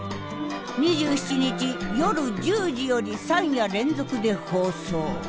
２７日夜１０時より３夜連続で放送。